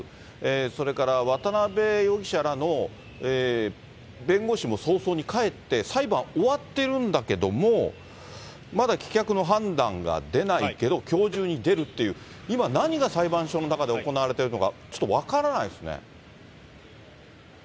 それから、渡辺容疑者らの弁護士も早々に帰って、裁判終わってるんだけども、まだ棄却の判断が出ないけど、きょう中に出るという、今、何が裁判所の中で行われているのか、ちょっと分からないですね。